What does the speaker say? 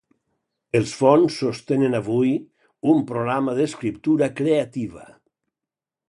Els fons sostenen avui un programa d'escriptura creativa.